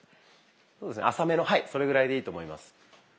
浅めのはいそれぐらいでいいと思います。